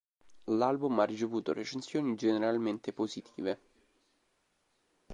L'album ha ricevuto recensioni generalmente positive.